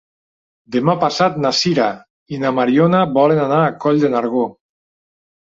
Demà passat na Sira i na Mariona volen anar a Coll de Nargó.